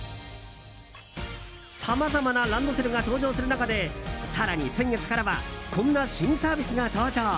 さまざまなランドセルが登場する中で更に先月からはこんな新サービスが登場。